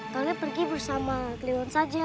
toli pergi bersama gleon saja